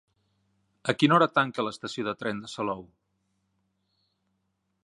A quina hora tanca l'estació de tren de Salou?